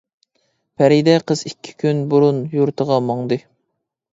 -پەرىدە قىز ئىككى كۈن بۇرۇن يۇرتىغا ماڭدى.